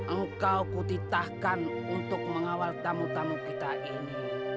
engkau kutitahkan untuk mengawal tamu tamu kita ini